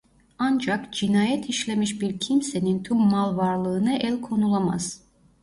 Ancak cinayet işlemiş bir kimsenin tüm malvarlığına el konulamaz.